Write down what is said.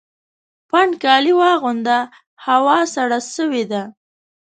پنډ کالي واغونده ! هوا سړه سوې ده